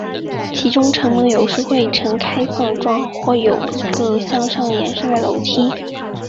其中城门有时会呈开放状或有一个向上延伸的楼梯。